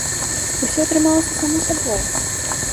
Усё атрымалася само сабой!